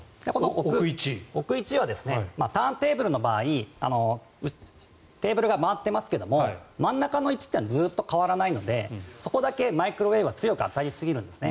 置く位置はターンテーブルの場合テーブルが回っていますけど真ん中の位置はずっと変わらないのでそこだけマイクロウェーブが強く当たりすぎるんですね。